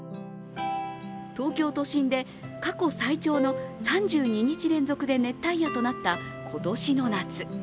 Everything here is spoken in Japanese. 東京都心で過去最長の３２日連続で熱帯夜となった今年の夏。